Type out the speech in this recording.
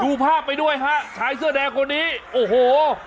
ดูภาพไปด้วยฮะชายเสื้อแดงคนนี้โอ้โห